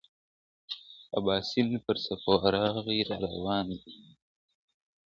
اباسین پر څپو راغی را روان دی غاړي غاړي !